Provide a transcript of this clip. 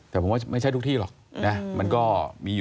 แต่ผมว่าไม่ใช่ทุกที่หรอกเนี่ย